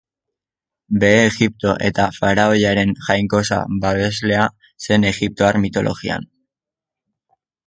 Behe Egipto eta faraoiaren jainkosa babeslea zen egiptoar mitologian.